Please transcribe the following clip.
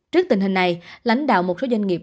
trước tình hình này lãnh đạo một số doanh nghiệp